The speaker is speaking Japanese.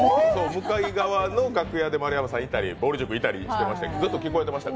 向かい側の楽屋で丸山さんいたりぼる塾いたりしましたけど聞こえてました？